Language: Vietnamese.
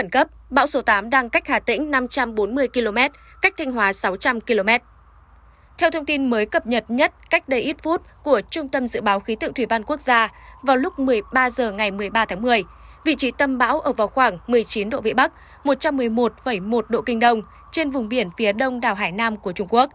các bạn hãy đăng ký kênh để ủng hộ kênh của chúng mình nhé